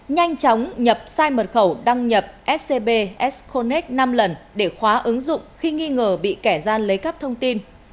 nhanh chóng nhập sai mật khẩu đăng nhập scb sconnec năm lần để khóa ứng dụng khi nghi ngờ bị kẻ gian lấy cắp thông tin